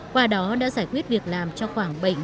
qua đó đã giải quyết việc làm cho các huyện thành phố trong tỉnh